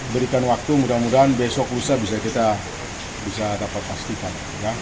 berikan waktu mudah mudahan besok bisa kita dapat pastikan